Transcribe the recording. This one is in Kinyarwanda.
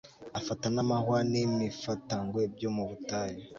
afata n'amahwa n'imifatangwe byo mu butayu